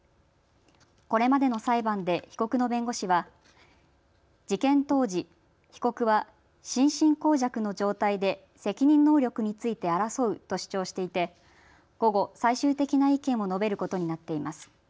これまでの裁判で被告の弁護士は事件当時、被告は心神耗弱の状態で責任能力について争うと主張していて午後、最終的な意見を述べることになっています。